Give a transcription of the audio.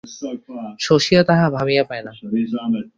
শশীও তাহা ভাবিয়া পায় না।